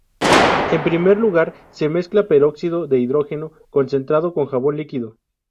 En primer lugar se mezcla peróxido de hidrógeno concentrado con jabón líquido.